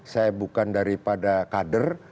saya bukan daripada kader